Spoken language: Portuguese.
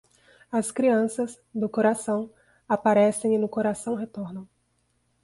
As crianças, do coração, aparecem e no coração retornam.